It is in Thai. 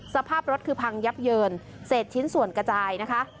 สภาพรถคือพังยับเยินเศษชิ้นส่วนกระจายนะคะ